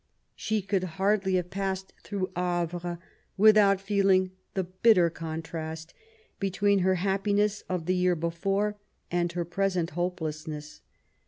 She could hardly have passed through Havre without feeling the bitter contrast between her happiness of the year before, and her present hopelessness.